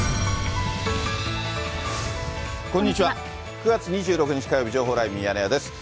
９月２６日火曜日、情報ライブミヤネ屋です。